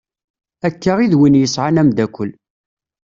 Akka i d win yesɛan amddakel.